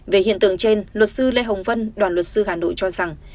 về hiện tượng trên luật sư lê hồng vân đoàn luật sư hà nội cho rằng